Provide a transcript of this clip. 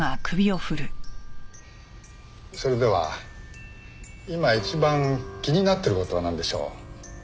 それでは今一番気になってる事はなんでしょう？